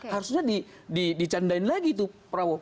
harusnya dicandain lagi tuh prabowo